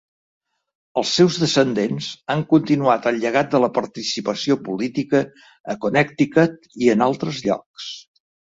Els seus descendents han continuat el llegat de la participació política a Connecticut i en altres llocs.